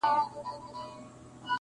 o دوی پښتون غزل منلی په جهان دی,